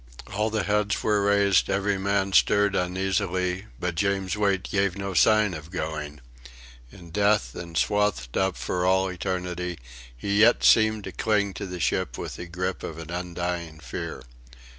All the heads were raised; every man stirred uneasily, but James Wait gave no sign of going. In death and swathed up for all eternity, he yet seemed to cling to the ship with the grip of an undying fear.